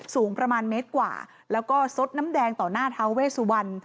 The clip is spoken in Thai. สูงประมาณเมตรกว่าแล้วก็ซดน้ำแดงต่อหน้าท้าเวสุวรรณ